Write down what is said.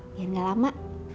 biar gak lama